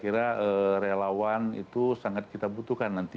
pertama sekali area lauran itu sangat kita butuhkan nanti